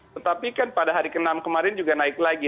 tetapi kan pada hari ke enam kemarin juga naik lagi